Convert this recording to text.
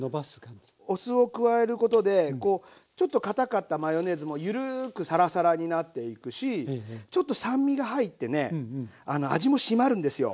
お酢を加えることでちょっとかたかったマヨネーズもゆるくさらさらになっていくしちょっと酸味が入ってね味も締まるんですよ。